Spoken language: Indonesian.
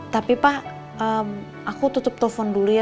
tapi pak aku tutup telepon dulu ya